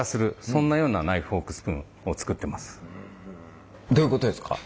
そんなようなナイフフォークスプーンを作ってます。